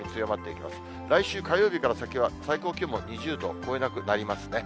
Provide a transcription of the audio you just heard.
来週火曜日から先は、最高気温も２０度を超えなくなりますね。